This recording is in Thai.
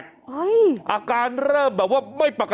ก็ยกมือไหว้ต้องพัก